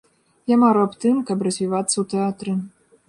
Я мару аб тым, каб развівацца ў тэатры.